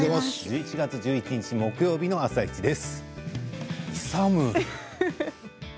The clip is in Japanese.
１１月１１日木曜日の「あさイチ」です。